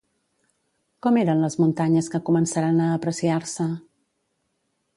Com eren les muntanyes que començaren a apreciar-se?